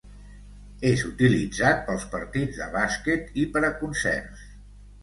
És utilitzat pels partits de bàsquet i per a concerts.